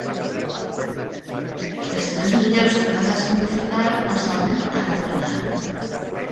Els tres millors de cada semifinal passaven a la final.